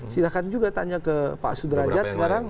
silahkan juga tanya ke pak sudrajat sekarang